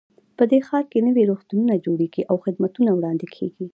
په دې ښار کې نوي روغتونونه جوړیږي او خدمتونه وړاندې کیږي